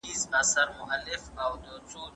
شاعر د ترنګ رود په غاړه د وصال په انتظار ناست دی.